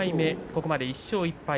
ここまで１勝１敗。